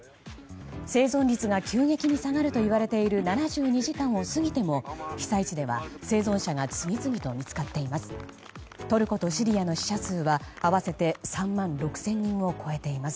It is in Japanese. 生存率が急激に下がるといわれている７２時間を過ぎても被災地では生存者が次々と見つかっています。